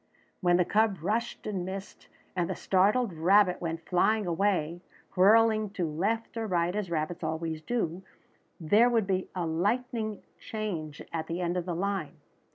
When the cub rushed and missed, and the startled rabbit went flying away, whirling to left or right as rabbits always do, there would be a lightning change at the end of the line.